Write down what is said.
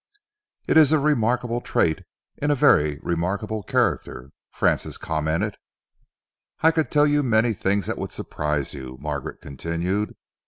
"It is a remarkable trait in a very remarkable character," Francis commented. "I could tell you many things that would surprise you," Margaret continued.